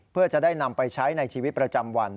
เพื่อจะได้นำไปใช้ในชีวิตประจำวัน